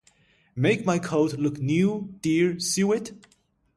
Make my coat look new, dear, sew it?